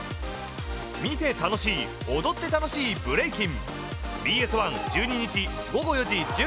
見て楽しい、踊って楽しいブレイキン。